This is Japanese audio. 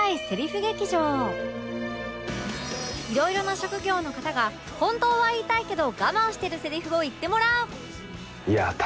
いろいろな職業の方が本当は言いたいけど我慢してるセリフを言ってもらう